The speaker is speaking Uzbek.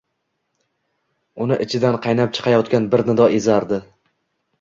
Uni ichidan qaynab chiqayotgan bir nido ezardi: